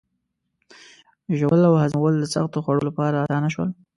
ژوول او هضمول د سختو خوړو لپاره آسانه شول.